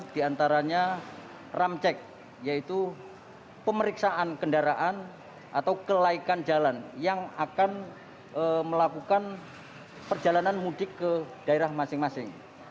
di antaranya ramcek yaitu pemeriksaan kendaraan atau kelaikan jalan yang akan melakukan perjalanan mudik ke daerah masing masing